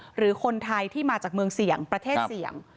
หรือคนไทยที่มาจากเมืองเสี่ยงประเทศเสี่ยง